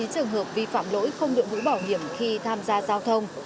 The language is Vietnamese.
bảy mươi chín trường hợp vi phạm lỗi không được hữu bảo hiểm khi tham gia giao thông